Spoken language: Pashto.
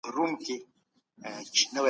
دغو ناستو به د خلکو په زړونو کي هیله پیدا کوله.